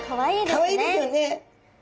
かわいいですよね。